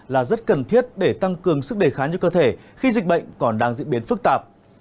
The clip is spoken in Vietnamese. là rất cần thiết để tăng cường sức đề kháng cho cơ thể khi dịch bệnh còn đang diễn biến phức tạp